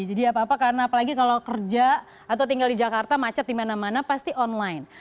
jadi apa apa karena apalagi kalau kerja atau tinggal di jakarta macet dimana mana pasti online